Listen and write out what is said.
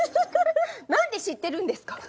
何で知ってるんですか？